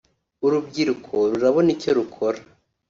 urubyiruko rurabona icyo rukora